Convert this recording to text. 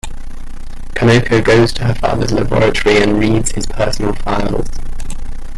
Konoko goes to her father's laboratory and reads his personal files.